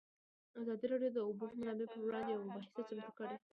ازادي راډیو د د اوبو منابع پر وړاندې یوه مباحثه چمتو کړې.